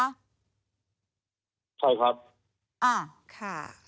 ใช่ครับ